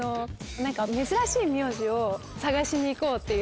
珍しい名字を探しに行こうっていう。